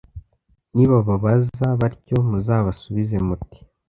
Nibababaza batyo, muzabasubize muti